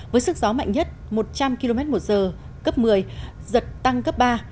với sức gió mạnh nhất một trăm linh km một giờ cấp một mươi giật tăng cấp ba